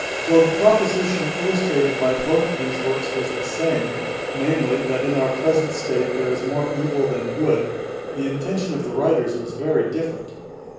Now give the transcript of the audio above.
Though the proposition illustrated by both these works was the same, namely, that in our present state there is more evil than good, the intention of the writers was very different.